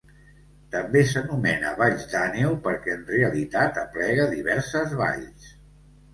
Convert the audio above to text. També s'anomena valls d'Àneu perquè en realitat aplega diverses valls.